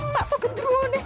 mak tuh genderuwa nih